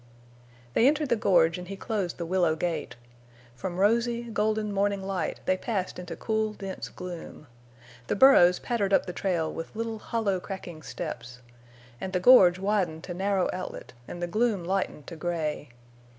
They entered the gorge and he closed the willow gate. From rosy, golden morning light they passed into cool, dense gloom. The burros pattered up the trail with little hollow cracking steps. And the gorge widened to narrow outlet and the gloom lightened to gray.